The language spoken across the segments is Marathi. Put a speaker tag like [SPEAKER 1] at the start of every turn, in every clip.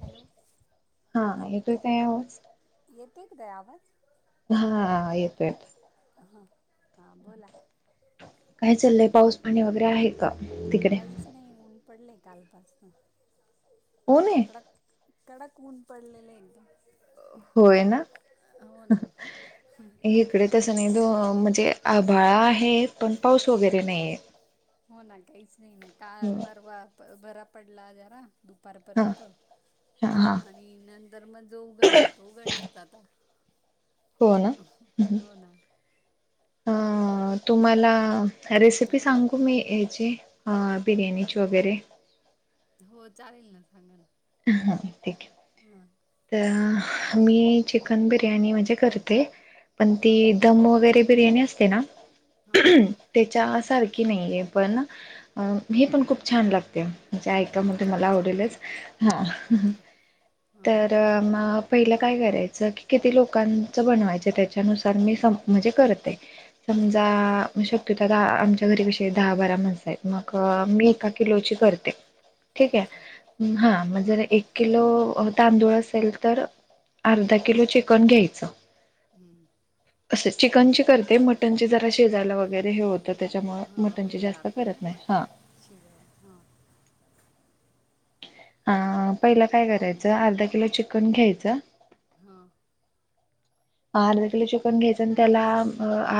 [SPEAKER 1] हॅलो.
[SPEAKER 2] हा. येतोय का आवाज?
[SPEAKER 1] येतोय का ताई आवाज?
[SPEAKER 2] हा. येतोय येतोय.
[SPEAKER 1] ह हा बोला.
[SPEAKER 2] काय चाललंय पाऊस पाणी वगैरे आहे का तिकडे?
[SPEAKER 1] काहीच नाही ऊन पडलंय कालपासून.
[SPEAKER 2] ऊन आहे?
[SPEAKER 1] कडक. कडक ऊन पडलेले एकदम.
[SPEAKER 2] होय ना.
[SPEAKER 1] हो ना
[SPEAKER 2] हे इकडे तसं नाही दो म्हणजे आभाळा आहे पण पाऊस वगैरे नाही हे.
[SPEAKER 1] हो ना काहीच नाही ना का परवा बरा पडला जरा
[SPEAKER 2] हा
[SPEAKER 1] दुपारपर्यंत
[SPEAKER 2] हा हा
[SPEAKER 1] आणि नंतर मग जो उघडला तो उघडलाच आता.
[SPEAKER 2] हो ना
[SPEAKER 1] हो ना
[SPEAKER 2] अ
[SPEAKER 1] बाकी
[SPEAKER 2] तुम्हाला रेसिपी
[SPEAKER 1] हां
[SPEAKER 2] सांगू मी याची बिर्याणीची वगैरे
[SPEAKER 1] हो चालेल ना सांगा ना
[SPEAKER 2] अहा हा ठीक हे.
[SPEAKER 1] हा
[SPEAKER 2] तर मी चिकन बिर्याणी म्हणजे करते पण
[SPEAKER 1] हां
[SPEAKER 2] ती
[SPEAKER 1] हां
[SPEAKER 2] दम वगैरे बिर्याणी असते ना
[SPEAKER 1] हां हां
[SPEAKER 2] ते च्या सारखी नाहीे पण हे पण खूप छान लागते म्हणजे ऐकुण तर म्हणते मला
[SPEAKER 1] अच्छा अच्छा
[SPEAKER 2] आवडेलच
[SPEAKER 1] अच्छा हां
[SPEAKER 2] तर म पहिलं काय करायचं की किती लोकांचं बनवायचं त्याच्यानुसार मी स म्हणजे करते. समजा
[SPEAKER 1] अच्छा अच्छा
[SPEAKER 2] मशक त त्या दहा आमच्या घरी विषय दहा बारा माणसं आहेत मग मी एका किलोची करते. ठीक हे
[SPEAKER 1] अच्छा
[SPEAKER 2] हा
[SPEAKER 1] हं,
[SPEAKER 2] मग जरा एक किलो तांदूळ असेल तर अर्धा किलो चिकन घ्यायचं.
[SPEAKER 1] हम्म
[SPEAKER 2] असे चिकन ची करते मटन ची जरा शीजायला वगैरे हे होतं त्याच्यामुळ मटनची जास्त करत नाही हां
[SPEAKER 1] मटन शिजवा हां
[SPEAKER 2] आ पहिला काय करायचं अर्धा किलो चिकन घ्यायचं.
[SPEAKER 1] हां
[SPEAKER 2] अर्धा किलो चिकन घ्यायचं आणि त्याला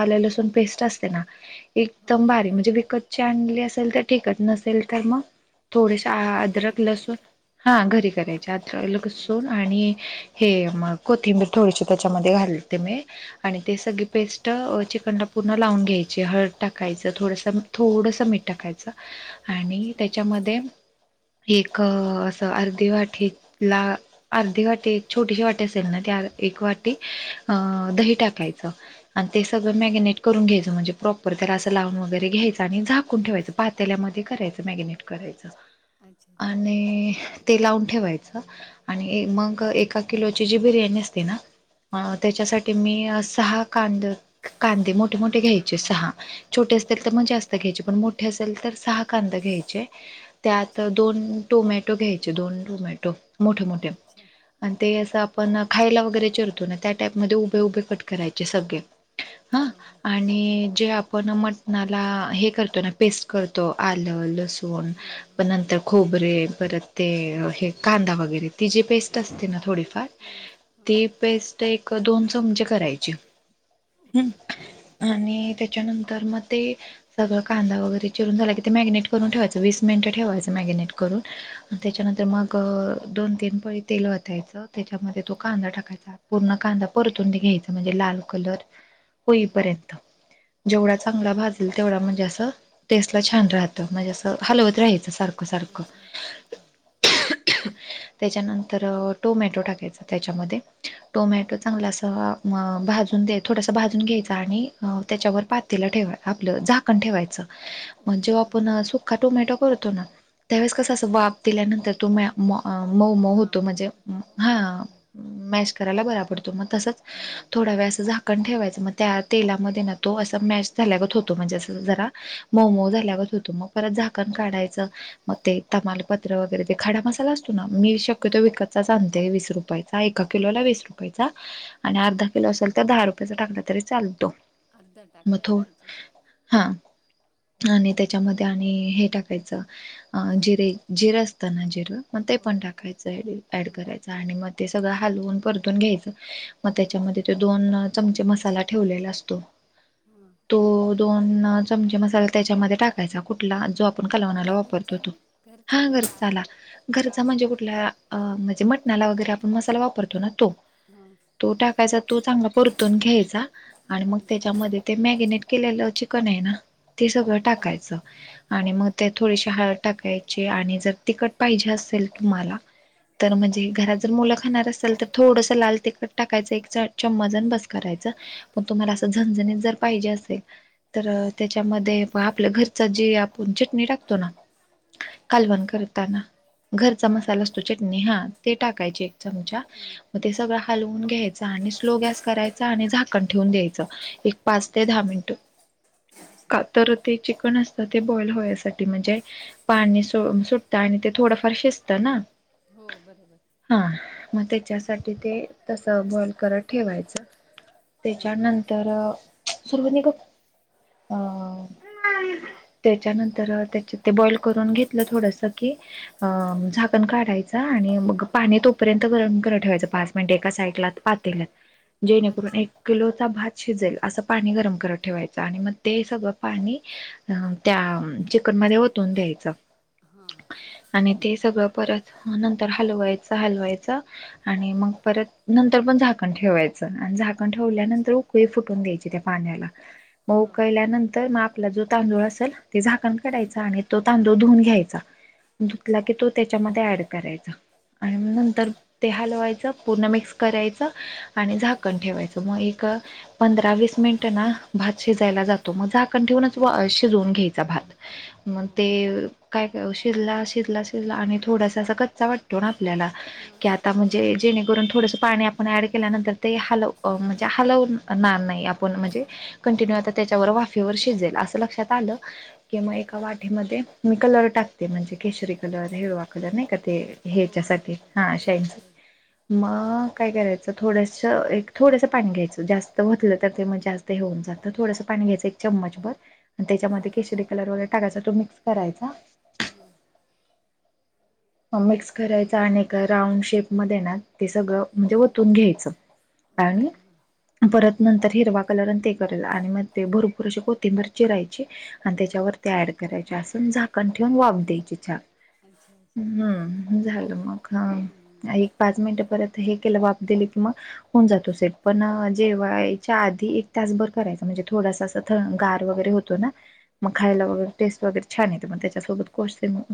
[SPEAKER 2] आल लसूण पेस्ट असते ना
[SPEAKER 1] हां
[SPEAKER 2] एकदम
[SPEAKER 1] हां
[SPEAKER 2] भारी म्हणजे विकत चांगली असेल तर ठिकच नसेल तर म थोडेसा
[SPEAKER 1] आपली घरी
[SPEAKER 2] अद्रक लसूण
[SPEAKER 1] करायची
[SPEAKER 2] हा घरी
[SPEAKER 1] हां
[SPEAKER 2] करायचे अद्रक लसुण
[SPEAKER 1] अच्छा
[SPEAKER 2] आणि हे मग कोथिंबीर थोडीशी त्याच्यामध्ये घालते मी आणि ते
[SPEAKER 1] अच्छा
[SPEAKER 2] सगळी पेस्ट चिकनला पूर्ण लावून घ्यायची हळद टाकायचं थोडसं थोडसं मीठ टाकायचं. आणि
[SPEAKER 1] अच्छा
[SPEAKER 2] त्याच्यामध्ये एक असं अर्धी वाटी ला अर्धी वाटी छोटेशी वाटी असेल ना त्या एक वाटी
[SPEAKER 1] हं,
[SPEAKER 2] अ दही टाकायच आणि ते सगळ
[SPEAKER 1] ओके
[SPEAKER 2] मॅगीनेट करून घ्यायचं म्हणजे प्रॉपर त्याला असं लावून वगैरे घ्यायचं आणि झाकून ठेवायच
[SPEAKER 1] अच्छा
[SPEAKER 2] पातेल्यामध्ये करायचं मॅगिनेट. करायचं
[SPEAKER 1] अच्छा अच्छा
[SPEAKER 2] आणि ते लावून ठेवायच. आणि
[SPEAKER 1] हां
[SPEAKER 2] मग एका किलोची जी बिर्याणी असते ना अ
[SPEAKER 1] हां
[SPEAKER 2] त्याच्यासाठी मी सहा कांद कांदे मोठे मोठे
[SPEAKER 1] हां
[SPEAKER 2] घ्यायचे सहा छोटे
[SPEAKER 1] हां
[SPEAKER 2] असतील तर
[SPEAKER 1] हां
[SPEAKER 2] मग जास्त जास्त घ्यायचे पण मोठे असेल तर सहा कांदा
[SPEAKER 1] स-
[SPEAKER 2] घ्यायचे त्यात
[SPEAKER 1] अच्छा
[SPEAKER 2] दोन टोमॅटो घ्यायचे दोन टोमॅटो मोठे मोठे
[SPEAKER 1] अच्छा
[SPEAKER 2] आणि ते
[SPEAKER 1] ओके
[SPEAKER 2] अस आपण खायला वगैरे चीरतो ना त्या टाईपमध्ये उभे उभे कट करायचे सगळे हा
[SPEAKER 1] हां हां हां
[SPEAKER 2] आणि जे आपण म ला हे करतो ना पेस्ट करतो आलं, लसूण
[SPEAKER 1] हां हां
[SPEAKER 2] पण नंतर खोबरे परत ते
[SPEAKER 1] हां
[SPEAKER 2] हे कांदा वगैरे ती जी पेस्ट असते ना थोडीफार
[SPEAKER 1] हम्म हम्म
[SPEAKER 2] ती पेस्ट एक दोन चमचे करायची. हम्म,
[SPEAKER 1] ओके हा
[SPEAKER 2] आणि त्याच्यानंतर मग ते सगळं कांदा वगैरे चिरून झाला की ते मॅगिनेट करून ठेवायचं वीस मिनटं ठेवायचं मॅगिनेट करून
[SPEAKER 1] हां
[SPEAKER 2] त्याच्यानंतर मग दोन तीन पळी तेल वतायचं त्याच्यामध्ये तो
[SPEAKER 1] हां
[SPEAKER 2] कांदा टाकायचा पूर्ण कांदा परतून घ्यायचा म्हणजे लाल कलर
[SPEAKER 1] हां
[SPEAKER 2] होईपर्यंत जेवढा
[SPEAKER 1] ओके
[SPEAKER 2] चांगला
[SPEAKER 1] हां
[SPEAKER 2] भाजल तेवढा म्हणजे असं टेस्टला छान राहतं म्हणजे असं हलवत राहायचं सारखं सारखं
[SPEAKER 1] अच्छा अच्छा
[SPEAKER 2] त्याच्यानंतर टोमॅटो टाकायचा त्याच्यामध्ये
[SPEAKER 1] हम्म.
[SPEAKER 2] टोमॅटो चांगला अस भाजून दे थोडंस भाजून घ्यायचा आणि त्याच्यावर पात तिला ठेवाय आपलं झाकण ठेवायचं मग
[SPEAKER 1] ओके
[SPEAKER 2] जेव्हा
[SPEAKER 1] हां
[SPEAKER 2] आपण सुखा टोमॅटो करतो ना त्यावेळेस
[SPEAKER 1] हां
[SPEAKER 2] कसा अस वाफ दिल्यानंतर तुम म मऊ मऊ
[SPEAKER 1] हां
[SPEAKER 2] होतो म्हणजे
[SPEAKER 1] होतं मऊ
[SPEAKER 2] हा
[SPEAKER 1] हां
[SPEAKER 2] मॅश करायला बरा पडतो मग तसंच
[SPEAKER 1] हो
[SPEAKER 2] थोड
[SPEAKER 1] बरोबर
[SPEAKER 2] वेळ असं झा कण ठेवायच मग त्या तेलामध्ये ना तो अस मॅश झाल्यागत होतो म्हणजे असं जरा मऊ मऊ झाल्यावर होतो मग परत झाकण काढायचं मग ते तमालपत्र वगैरे ते खडा मसाला अस् मी
[SPEAKER 1] हो
[SPEAKER 2] शक्यतो
[SPEAKER 1] हो
[SPEAKER 2] विकतचाच आणतेय वीस रुपयाचा एका किलोला वीस रुपयाचा आणि
[SPEAKER 1] हां
[SPEAKER 2] अर्धा किलो असेल तर दहा रुपयाचा टाकला तरी चालतो
[SPEAKER 1] अर्धा
[SPEAKER 2] मग
[SPEAKER 1] टाकायचा
[SPEAKER 2] थो
[SPEAKER 1] त्याच्यातला
[SPEAKER 2] हा
[SPEAKER 1] हम्म.
[SPEAKER 2] आणि त्याच्यामध्ये त्या आणि हे टाकायचं जिरे जिरं असतना जिरं मग ते
[SPEAKER 1] हो
[SPEAKER 2] पण
[SPEAKER 1] आपले
[SPEAKER 2] टाकायचं ड ऍड
[SPEAKER 1] हां
[SPEAKER 2] करायच आणि मग ते सगळं हा हालवून परतून घ्यायचं मग
[SPEAKER 1] हां
[SPEAKER 2] त्याच्यामध्ये ते दोन चमचे मसाला ठेवलेला असतो
[SPEAKER 1] हां
[SPEAKER 2] तो दोन चमचे मसाला त्याच्यामध्ये टाकायचा कुठला जो आ पण कालवनाला
[SPEAKER 1] आपल्या
[SPEAKER 2] वापरतो
[SPEAKER 1] घरचा
[SPEAKER 2] तो
[SPEAKER 1] ना घरचा
[SPEAKER 2] हा
[SPEAKER 1] ना
[SPEAKER 2] घर
[SPEAKER 1] का
[SPEAKER 2] चाला घरचा
[SPEAKER 1] काला
[SPEAKER 2] म्हणजे कुठला अ म्हणजे मटणाला वगैरे आपण मसाला वापरतो ना तो
[SPEAKER 1] हं
[SPEAKER 2] तो टाकायचा तो चांगला परतून घ्यायचा आणि मग त्याच्यामध्ये ते मॅगिनेट केलेलं चिकन ये ना ते सगळं
[SPEAKER 1] हां
[SPEAKER 2] टाकायचं आणि मग ते थोडीशी हळद टाकायची आणि जर तिकट पाहिजे असेल तुम्हाला तर म्हणजे घरात जर मुलं खाणार अस ल तर थोडस लाल तिखट टाकायचं एक चम्मच अन् बस करायच पण तुम्हाला अस
[SPEAKER 1] हां
[SPEAKER 2] झणझणीत जर पाहिजे असेल तर त्याच्यामध्ये आपल्या घरचा जे आपण चटणी टाकतो ना कालवण करताना घरचा
[SPEAKER 1] हां
[SPEAKER 2] मसाला
[SPEAKER 1] हां
[SPEAKER 2] असतो चटणी हा ते टाकायची एक चमचा
[SPEAKER 1] हम्म,
[SPEAKER 2] मग ते
[SPEAKER 1] हम्म.
[SPEAKER 2] सगळं हलवून घ्यायचं आणि स्लो गॅस करायचा आणि झाकण ठेवून द्यायच एक पाच ते
[SPEAKER 1] अच्छा
[SPEAKER 2] दहा मिनटं
[SPEAKER 1] अच्छा
[SPEAKER 2] का तर ते चिकन असतं ते बॉईल होयसाठी म्हणजे पाणी सो सुटत आणि ते थोडंफार शिजत ना?
[SPEAKER 1] हो बरोबर
[SPEAKER 2] हा मग त्याच्यासाठी ते तस बॉईल करत ठेवायचं
[SPEAKER 1] हां
[SPEAKER 2] त्याच्यानंतर [unintelligible] अं त्याच्यानंतर त्याच्या ते बॉइल करून घेतलं थोडस की! अ झाकण काढायच आणि मग पाणी तोपर् र्यंत गरम करायला ठेवायच पाच मिनिट एका साइडला पातेल्यात जेणेकरून
[SPEAKER 1] अच्छा
[SPEAKER 2] एक किलोचा भात शिजेल असं पाणी गरम करत ठेवायचं आणि मग ते सगळं पाणी अ त्या चिकनमध्ये
[SPEAKER 1] चिक
[SPEAKER 2] ओतून द्यायचं
[SPEAKER 1] हां
[SPEAKER 2] आणि ते सगळं परत नंतर हलवायचं हलवायचं आणि मग परत नंतर पण झाकण ठेवायचं आणि झाकण ठेवल्यानंतर
[SPEAKER 1] अच्छा
[SPEAKER 2] उकळी फुटून द्यायची त्या पाण्याला मग
[SPEAKER 1] हां
[SPEAKER 2] उकळल्यानंतर मग आपला जो तांदूळ असेल ते झाकण काढायचा आणि तो तांदूळ धुवून घ्यायचा धुतला
[SPEAKER 1] अच्छा
[SPEAKER 2] की तो त्याच्यामध्ये ऍड करायचा आणि
[SPEAKER 1] हो
[SPEAKER 2] नंतर
[SPEAKER 1] हो
[SPEAKER 2] ते हलवायचं पूर्ण मिक्स करायचं आणि झाकण ठेवायचं मग एक पंधरा वीस मिनिटं ना भात शिजायला जातो मग झाकण ठेवूनच वा शिजवून घ्यायचा भात मग
[SPEAKER 1] हो
[SPEAKER 2] ते
[SPEAKER 1] बरोबर
[SPEAKER 2] काय का शिजला, शिजला, शिजला आणि थोडासा असा कच्चा वाटतो ना आपल्याला
[SPEAKER 1] हां
[SPEAKER 2] की आता म्हणजे जेणेकरून थोडस पाणी आपण ऍड केल्यानंतर ते हलव म्हणजे हलवून ना नाही आपण म्हणजे कंटिन्यू
[SPEAKER 1] हां
[SPEAKER 2] आता
[SPEAKER 1] हां
[SPEAKER 2] त्याच्यावर वाफेवर शिजेल असं लक्षात आलं कि
[SPEAKER 1] हां
[SPEAKER 2] म एका वाटीमध्ये मी कलर टाकते म्हणजे केशरी कलर, हिरवा कलर नाही का ते
[SPEAKER 1] हो हो
[SPEAKER 2] ह्याच्यासाठी
[SPEAKER 1] हो
[SPEAKER 2] हा
[SPEAKER 1] हो
[SPEAKER 2] शाइन
[SPEAKER 1] हो
[SPEAKER 2] मग काय करायचं थोडस एक थोडंसं पाणी घ्यायचं जास्त होतलं तर ते मग जास ते होऊन जातं थोडंसं पाणी घ्यायचं एक चम्मच बर आणि
[SPEAKER 1] हां
[SPEAKER 2] त्याच्यामध्ये केशरी कलर वगैर टाकायचा तो मिक्स करायचा
[SPEAKER 1] हा
[SPEAKER 2] मिक्स करायचा आणीक राऊंड शेपमध्ये ना ते सगळं म्हणजे ओतून घ्यायचं आणि
[SPEAKER 1] ओके हं
[SPEAKER 2] परत नंतर हिरवा कलरन ते करेल आणि मग ते भरपूर असे कोथिंबर चिरायची आणी
[SPEAKER 1] हां
[SPEAKER 2] त्याच्यावर ते ऍड करायचे असून झाकण ठेवून वाफ द्यायची छान
[SPEAKER 1] अच्छा अच्छा
[SPEAKER 2] हम्म झालं मग हं
[SPEAKER 1] हम्म,
[SPEAKER 2] एक पाच मिनिटपर्यंत हे केलं वाफ दिली की मग होऊन जातो सेट पण
[SPEAKER 1] अच्छा
[SPEAKER 2] जेवायच्या आधी एक तासभर करायचं म्हणजे थोडासा असं थ गार वगैरे होतं तोना मग
[SPEAKER 1] हो
[SPEAKER 2] खायला
[SPEAKER 1] हो
[SPEAKER 2] वगैरे टेस्ट वगैरे छान येते मग त्याच्यासोबत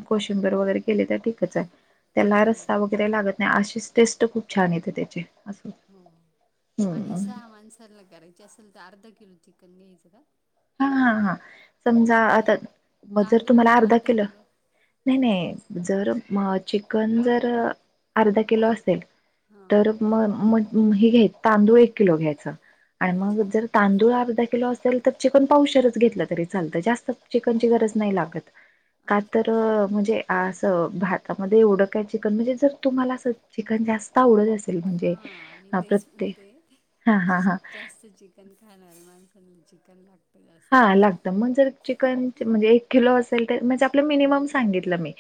[SPEAKER 2] कोशिंबीर वगैरे केले तर ठीकच आहे त्याला
[SPEAKER 1] हो
[SPEAKER 2] रस्सा वगैरे लागत नाही अशीच टेस्ट खूप छान येते त्याची असं
[SPEAKER 1] आणी
[SPEAKER 2] हम्म
[SPEAKER 1] सहा माणसाला करायची असेल तर अर्धा किलो चिकन घ्यायचं का
[SPEAKER 2] ह, ह हा समजा
[SPEAKER 1] आणि
[SPEAKER 2] आता जर तुम्हाला अर्धा किलो नाय, नाय जर म चिकन जर अर्धा किलो असेल
[SPEAKER 1] हां
[SPEAKER 2] तर म मग हे घ्याय तांदूळ एक किलो घ्यायचा आणी मग
[SPEAKER 1] अच्छा
[SPEAKER 2] जर तांदूळ अर्धा किलो असेल तर चिकन पावशरच घेतलं तरी चालतं जास्त चिकनची गरज नाही लागत का
[SPEAKER 1] अच्छा
[SPEAKER 2] तर म्हजे असं भातामध्ये एवढं काय चिकन म्हणजे जर तुम्हाला अस चिकन जास्त आवडत अस
[SPEAKER 1] हा मी तेच म्हणते
[SPEAKER 2] हा हा हा
[SPEAKER 1] जास्त चिक चिकन खाणाऱ्या माणसांना चिकन लाग
[SPEAKER 2] हा लागतं मग जर चिकन म्हणजे एक किलो असेल तर म्हणजे आपला मिनिमम सांगितलं मी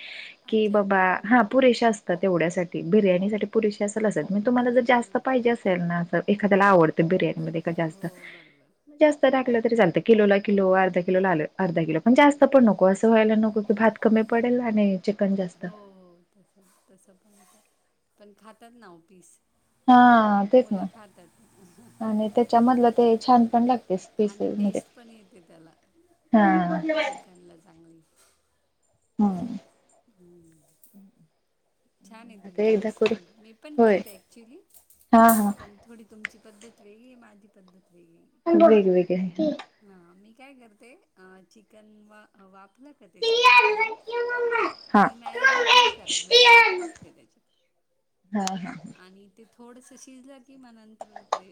[SPEAKER 2] कि
[SPEAKER 1] अच्छा
[SPEAKER 2] बाबा
[SPEAKER 1] अच्छा हां
[SPEAKER 2] हा पुरेशा अस तेवढ्यासाठी बिर्याणीसाठी पुरेसे असल असत तुम्हाला जर
[SPEAKER 1] हां हां
[SPEAKER 2] जास्त पाहिजे असेल ना तर
[SPEAKER 1] हा
[SPEAKER 2] एखाद्याला आवडतं बिर्याणीमधे
[SPEAKER 1] हो बरोबर
[SPEAKER 2] जास्त टाकलं तरी चालतंय किलोला किलो अर्धा किलो ला आलं अर्धा किलो पण जास्त पण नको असं व्हायला नको की भात कमी पडेल आणी
[SPEAKER 1] हो तसं, तसं पण, पण खातात ना वो पीस
[SPEAKER 2] हा तेच ना
[SPEAKER 1] मुलं खातात
[SPEAKER 2] आणि त्याच्यामधलं ते छान पण लागते
[SPEAKER 1] आणि
[SPEAKER 2] पीसेस म्हणजे
[SPEAKER 1] टेस्ट पण येते त्याला
[SPEAKER 2] हा
[SPEAKER 1] चिकनला चांगली
[SPEAKER 2] हम्म.
[SPEAKER 1] हम्म. छानय
[SPEAKER 2] आता
[SPEAKER 1] तुमची
[SPEAKER 2] एकदा करू
[SPEAKER 1] रेसिपी. मी पण
[SPEAKER 2] होय
[SPEAKER 1] करते ॲक्च्युली.
[SPEAKER 2] हा हा
[SPEAKER 1] पण थोडी तुमची पद्धत वेगळीय. माझी पद्धत वेगळी.
[SPEAKER 2] वेगवेगळ्या हायत्या.
[SPEAKER 1] हा, मी काय करते. आ चिकन वा वाफल का ते सगळं करून.
[SPEAKER 2] हा हा
[SPEAKER 1] मी मॅरिनेट नाही करत. मी डायरेक् टाकते त्याच्यात. आणी ते थोडसं शिजलं की, नंतर मग ते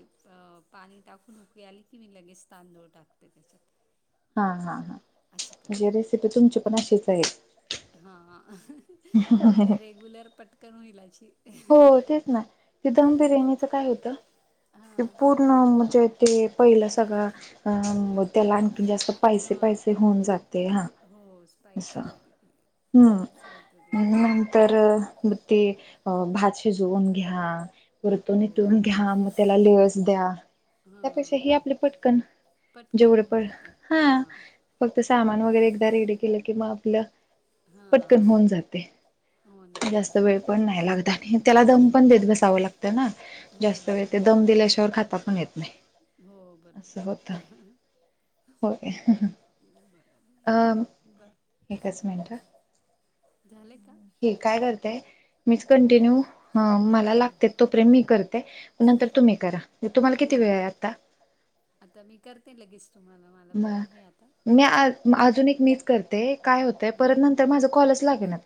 [SPEAKER 1] पाणी टाकून उकळी आली की, मी लगेच तांदूळ टाकते त्याच्यात.
[SPEAKER 2] हा, हा, हा.
[SPEAKER 1] असं
[SPEAKER 2] म्हणजे
[SPEAKER 1] करते.
[SPEAKER 2] रेसिपी तुमची पण अशीचय.
[SPEAKER 1] हा, [unintelligible] आपली रेग्युलर, पटकन होईल अशी.
[SPEAKER 2] हो, तेच ना. ते दम बिर्याणीच काय होतं? ते
[SPEAKER 1] हा
[SPEAKER 2] पूर्ण म्हजे ते पहिलं सगळं, अं त्याला आणखीन जास्त स्पायशी -
[SPEAKER 1] हा
[SPEAKER 2] स्पायशी होऊन जाते. हा,
[SPEAKER 1] हो
[SPEAKER 2] अस.
[SPEAKER 1] स्पायसी होते
[SPEAKER 2] हम्म.
[SPEAKER 1] असं होतं ते
[SPEAKER 2] नंतर, मग ते भात शिजवून घ्या.
[SPEAKER 1] हो
[SPEAKER 2] परतून इथून घ्या. मग त्याला लेअरस द्या. त्यापेक्षा
[SPEAKER 1] हां
[SPEAKER 2] ही आपलं पटकन
[SPEAKER 1] पटकन
[SPEAKER 2] जेवढं
[SPEAKER 1] होऊन
[SPEAKER 2] पण,
[SPEAKER 1] जाते
[SPEAKER 2] हा.
[SPEAKER 1] हां
[SPEAKER 2] फक्त सामान वगैरे
[SPEAKER 1] असं
[SPEAKER 2] एकदा रेडी केलं. की, मग आपलं
[SPEAKER 1] हां
[SPEAKER 2] पटकन होऊन जातंय.
[SPEAKER 1] हो ना
[SPEAKER 2] जास्त वेळ पण नाही लागत. आणि त्याला दम पण देत बसावं लागत त ना,
[SPEAKER 1] हो
[SPEAKER 2] जास्त
[SPEAKER 1] ना
[SPEAKER 2] वेळ. ते दम दिल्याशिवाय, खाता पण येत नाही.
[SPEAKER 1] हो,
[SPEAKER 2] असं
[SPEAKER 1] बरोबरय.
[SPEAKER 2] होतं
[SPEAKER 1] [unintelligible]
[SPEAKER 2] होय. [unintelligible] अ, एकच मिनटं.
[SPEAKER 1] झालंय, का?
[SPEAKER 2] हे काय करताय? मीच कंटिन्यू ह, मला
[SPEAKER 1] हां
[SPEAKER 2] लागतेत तोपर्यंत मी करते. नंतर तुम्ही
[SPEAKER 1] ओके
[SPEAKER 2] करा. तुम्हाला
[SPEAKER 1] हो
[SPEAKER 2] किती
[SPEAKER 1] हो
[SPEAKER 2] वेळय? आता.
[SPEAKER 1] आता मी, करते लगेच तुम्हाला. मला वेळ
[SPEAKER 2] बरं.
[SPEAKER 1] आहे आता
[SPEAKER 2] मी आ अजून एक मीच करते. काय होतंय,
[SPEAKER 1] हां
[SPEAKER 2] परत नंतर माझं कालच लागेणात.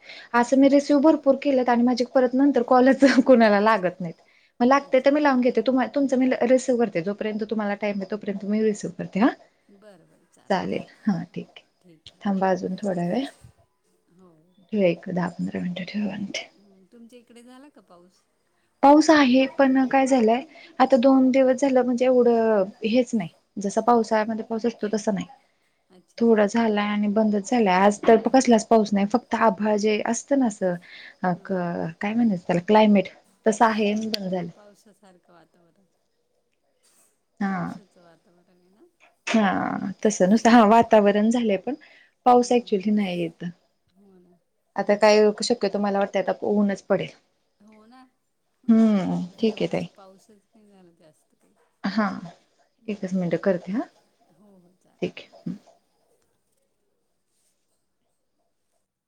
[SPEAKER 2] असं मी रिसिव्ह भरपूर केलेत आणि माझे परत नंतर कॉलच,
[SPEAKER 1] अच्छा
[SPEAKER 2] कोणाला
[SPEAKER 1] अच्छा
[SPEAKER 2] लागत नाहीत. लागतंय तर
[SPEAKER 1] अच्छा
[SPEAKER 2] मी लावून घेते.
[SPEAKER 1] बरं
[SPEAKER 2] तुम -
[SPEAKER 1] बरं
[SPEAKER 2] तुमचं मी रिसव करते. तो पर्यंत तुम्हाला टाईमय तोपर्यंत, मी रिसीव करते. हा.
[SPEAKER 1] बरं, बरं.
[SPEAKER 2] चालेल, हा
[SPEAKER 1] हो
[SPEAKER 2] ठीकय.
[SPEAKER 1] ठीक आहे
[SPEAKER 2] थांबा
[SPEAKER 1] चालेल
[SPEAKER 2] अजून थोड्यावेळ.
[SPEAKER 1] हो.
[SPEAKER 2] लै एक दहा - पंधरा मिनटं ठेवा [unintelligible]
[SPEAKER 1] हं, तुमच्या इकडे झाला का, पाऊस?
[SPEAKER 2] पाऊस आहे. पण काय झालय? आता
[SPEAKER 1] हं,
[SPEAKER 2] दोन दिवस तेला म्हणजे एवढं, हेच नाही. जसं पावसाळ्यामध्ये पाऊस असतो, तस नाही.
[SPEAKER 1] अच्छा
[SPEAKER 2] थोडं
[SPEAKER 1] अच्छा
[SPEAKER 2] झालाय आणि बंदच झालाय. आज तर प कसलाच पाऊस नाही. फक्त आभाळ जे असतं ना, असं अ
[SPEAKER 1] हां हां
[SPEAKER 2] का- काय म्हनायच त्याला, क्लायमेट. तसं
[SPEAKER 1] हां,
[SPEAKER 2] आहे
[SPEAKER 1] हां,
[SPEAKER 2] आणि बंद झालं
[SPEAKER 1] पावसासारखं वातावरण.
[SPEAKER 2] हा
[SPEAKER 1] पावसाचं वातावरणय ना.
[SPEAKER 2] हा, तसं. नुसतं. हा, वातावरण झालंय. पण पाऊस
[SPEAKER 1] हं,
[SPEAKER 2] ऍक्च्युली, नाही येत.
[SPEAKER 1] हो ना.
[SPEAKER 2] आता काय शक्यतो मला वाटतं आता ऊनच पडेल.
[SPEAKER 1] हो ना,
[SPEAKER 2] हम्म
[SPEAKER 1] [inaudible]
[SPEAKER 2] ठीक
[SPEAKER 1] या
[SPEAKER 2] आहे ताई
[SPEAKER 1] वर्षी पाऊसच नाही झाला जास्त काही.
[SPEAKER 2] हा एकच मिनिटं करते हा
[SPEAKER 1] हम्म हो- हो चालेल.
[SPEAKER 2] ठीक आहे